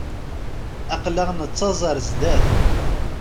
Aql-aɣ nettaẓ ar zdat.